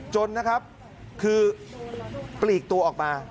จนนะครับคือปลีกตัวออกมา